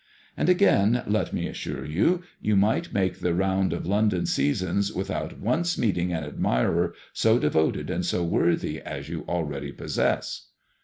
And again, let me assure you» you might make the round of London sea sons without once meeting an admirer so devoted and so worthy as you already possess."